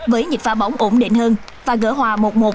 với nhịp pha bóng ổn định hơn và gỡ hòa một một